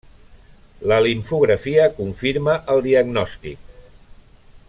La limfografia confirma el diagnòstic.